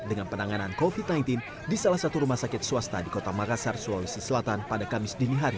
dengan penanganan covid sembilan belas di salah satu rumah sakit swasta di kota makassar sulawesi selatan pada kamis dini hari